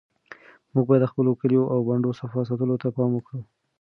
موږ باید د خپلو کلیو او بانډو صفا ساتلو ته پام وکړو.